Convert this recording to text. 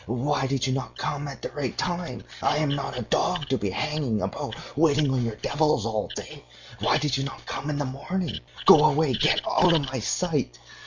'Why did you not come at the right time? I am not a dog to be hanging about waiting on you devils all day. Why did you not come in the morning? Go away! Get out of my sight.